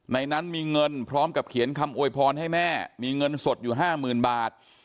ในนั้นมีเงินพร้อมกับเขียนคำอวยพรให้แม่มีเงินสดอยู่๕๐๐๐บาท